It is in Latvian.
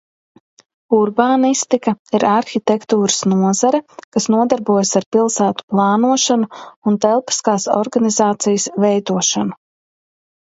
Urbānistika ir arhitektūras nozare, kas nodarbojas ar pilsētu plānošanu un telpiskās organizācijas veidošanu.